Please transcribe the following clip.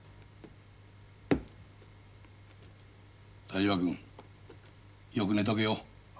田島君よく寝とけよ。